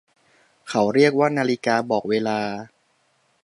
เขาเรียกว่านาฬิกาบอกเวลา